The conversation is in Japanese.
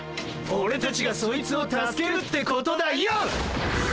オレたちがそいつを助けるってことだよ！